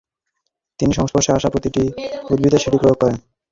তিনি সংস্পর্শে আসা প্রতিটি উদ্ভিদে সেটি প্রয়োগ করেন।